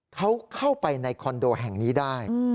เขาเข้าไปในคอนโดแห่งนี้ได้